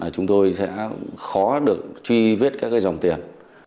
chúng tôi sẽ khó được truy vết các dòng tiền